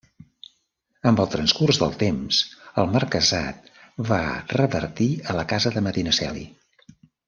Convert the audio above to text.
Amb el transcurs del temps el marquesat va revertir a la Casa de Medinaceli.